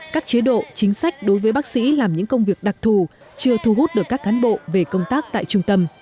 các chế độ chính sách đối với bác sĩ làm những công việc đặc thù chưa thu hút được các cán bộ về công tác tại trung tâm